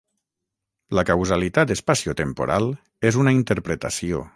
La causalitat espaciotemporal és una interpretació.